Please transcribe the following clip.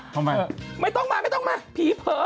ทำไมไม่ต้องมาผีเผลอ